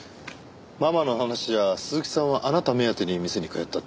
ママの話じゃ鈴木さんはあなた目当てに店に通ったって。